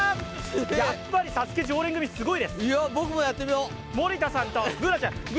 やっぱり「ＳＡＳＵＫＥ」常連組、すごいです。